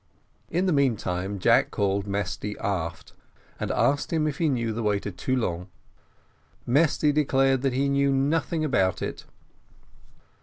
In the meantime, Jack called Mesty aft, and asked him if he knew the way to Toulon. Mesty declared that he knew nothing about it.